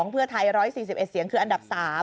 เพื่อไทย๑๔๑เสียงคืออันดับ๓